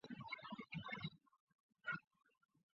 此纬线横越南冰洋及南极洲。